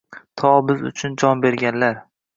To biz uchun jon berganlar —